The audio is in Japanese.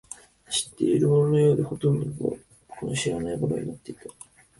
知っているもののようで、ほとんどが僕の知らないものになっていた